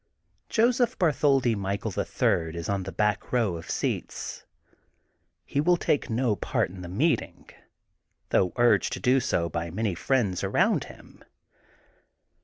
Joseph Bartholdi Michael, the Third, is on the babk row of seats. He will take no part in the meeting, though urged to d6 so by many friends around him.